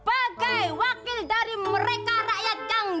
ada di dalam ya